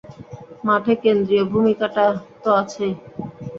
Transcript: মাঠে কেন্দ্রীয় ভূমিকাটা তো আছেই।